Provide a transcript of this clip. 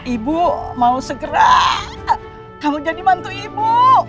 ibu mau segera kamu jadi mantu ibu